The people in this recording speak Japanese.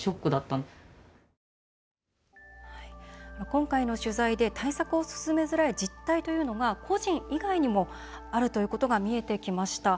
今回の取材で対策を進めづらい実態というのは個人以外にもあるということが見えてきました。